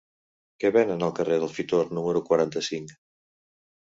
Què venen al carrer de Fitor número quaranta-cinc?